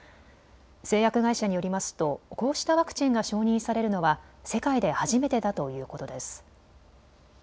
製薬会社によりますとこうしたワクチンが承認されるのは世界で初めてだということです。